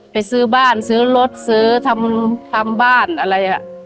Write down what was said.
ซื้อบ้านซื้อรถซื้อทำบ้านอะไร